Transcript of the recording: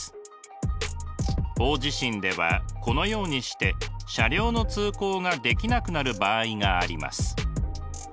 大地震ではこのようにして車両の通行ができなくなる場合があります。